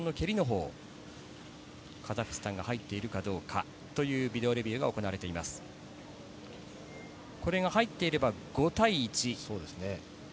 カザフスタンが入っているかどうかというビデオレビューが行われ入ってる。